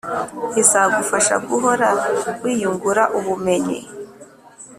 izagufasha guhora wiyungura ubumenyi